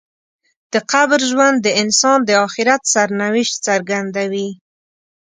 د قبر ژوند د انسان د آخرت سرنوشت څرګندوي.